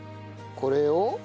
これを。